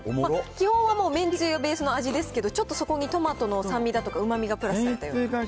基本はもうめんつゆベースの味ですけど、ちょっとそこにトマトの酸味だとかうまみがプラスされたような。